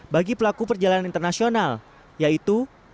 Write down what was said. bagi pelaku perjalanan internasional yaitu